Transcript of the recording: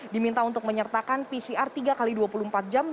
diminta untuk menyertakan pcr tiga x dua puluh empat jam